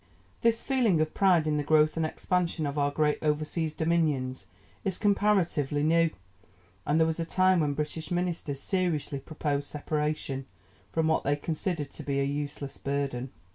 This feeling of pride in the growth and expansion of our great over seas dominions is comparatively new, and there was a time when British ministers seriously proposed separation, from what they considered to be a useless burden.